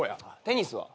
テニスは？